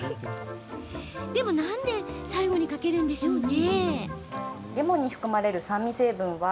でも、なんで最後にかけるんですか？